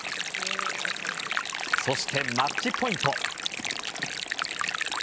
そして、マッチポイント。